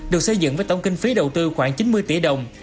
được xây dựng với tổng kinh phí đầu tư khoảng chín mươi tỷ đồng